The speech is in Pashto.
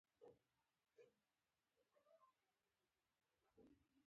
روزۍ خدای پاک ورکوي.